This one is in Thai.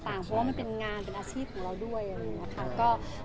เพราะว่ามันเป็นงานเป็นอาชีพของเราด้วย